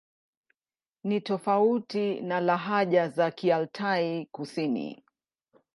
Ni tofauti na lahaja za Kialtai-Kusini.